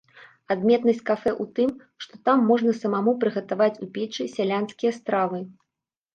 Адметнасць кафэ ў тым, што там можна самому прыгатаваць у печы сялянскія стравы.